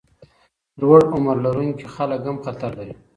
لوړ عمر لرونکي خلک هم خطر لري.